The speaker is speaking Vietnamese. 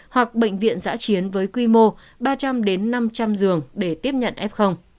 hoặc bệnh viện giã chiến với quy mô ba trăm linh đến năm trăm linh giường để tiếp nhận f